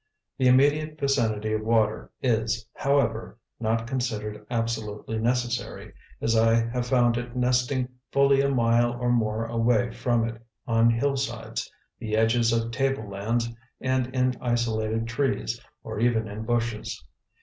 The immediate vicinity of water is, however, not considered absolutely necessary, as I have found it nesting fully a mile or more away from it on hillsides, the edges of table lands and in isolated trees, or even in bushes.